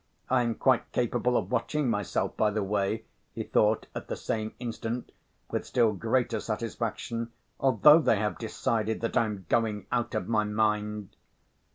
I am quite capable of watching myself, by the way," he thought at the same instant, with still greater satisfaction, "although they have decided that I am going out of my mind!"